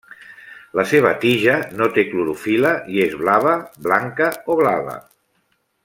La seva tija no té clorofil·la i és blava, blanca o blava.